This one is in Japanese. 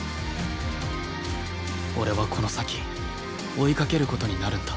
俺はこの先追いかける事になるんだ